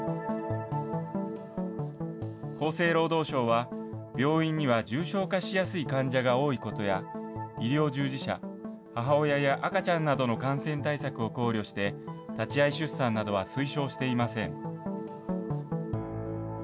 厚生労働省は、病院には重症化しやすい患者が多いことや、医療従事者、母親や赤ちゃんなどの感染対策を考慮して、立ち会い出産などは推奨していません。